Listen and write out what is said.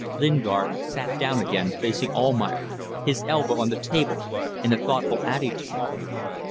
Lingard sat down again, facing Almayer, his elbow on the table, in a thoughtful attitude.